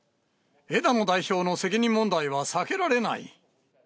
枝野代表の責任問題は避けられない。